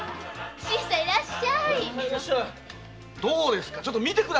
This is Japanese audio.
どうです！